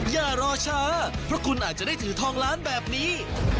อย่ารอช้าเพราะคุณอาจจะได้ถือทองล้านแบบนี้